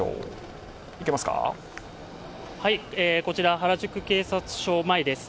こちら、原宿警察署前です。